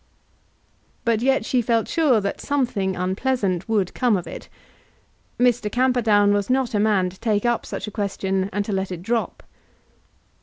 But yet she felt sure that something unpleasant would come of it. Mr. Camperdown was not a man to take up such a question and to let it drop.